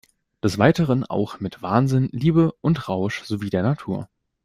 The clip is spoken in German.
Des Weiteren auch mit Wahnsinn, Liebe und Rausch sowie der Natur.